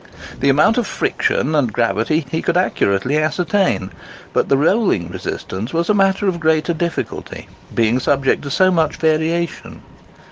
The amount of friction and gravity he could accurately ascertain; but the rolling resistance was a matter of greater difficulty, being subject to much variation.